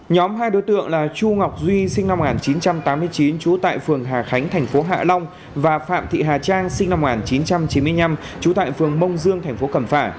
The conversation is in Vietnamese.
nhóm hai đối tượng là chu ngọc duy sinh năm một nghìn chín trăm tám mươi chín trú tại phường hà khánh thành phố hạ long và phạm thị hà trang sinh năm một nghìn chín trăm chín mươi năm trú tại phường mông dương thành phố cẩm phả